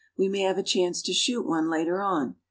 We may have a chance to shoot one later on.